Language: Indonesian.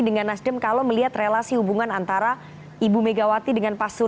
dengan nasdem kalau melihat relasi hubungan antara ibu megawati dengan pak surya